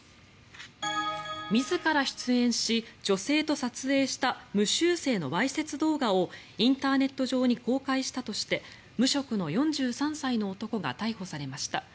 自ら出演し、女性と撮影した無修正のわいせつ動画をインターネット上に公開したとして無職の４３歳の男が逮捕されました。